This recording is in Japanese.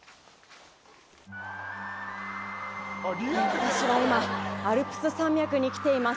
私は今アルプス山脈に来ています。